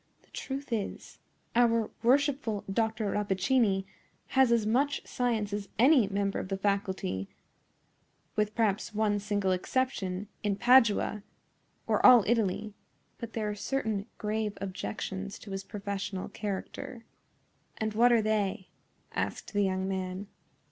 The truth is, our worshipful Dr. Rappaccini has as much science as any member of the faculty—with perhaps one single exception—in Padua, or all Italy; but there are certain grave objections to his professional character." "And what are they?" asked the young man.